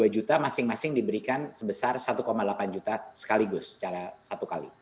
dua juta masing masing diberikan sebesar satu delapan juta sekaligus secara satu kali